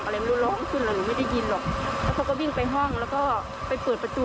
แล้วเขาก็วิ่งไปห้องแล้วก็ไปเปิดประจู